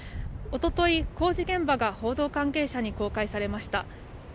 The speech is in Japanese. おととい、工事現場が報道関係者に公開されました。